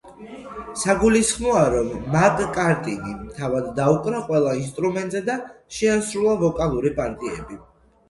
საგულისხმოა, რომ მაკ-კარტნიმ თავად დაუკრა ყველა ინსტრუმენტზე და შეასრულა ვოკალური პარტიები.